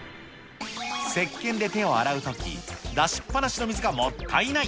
せっけんで手を洗うとき、出しっぱなしの水がもったいない。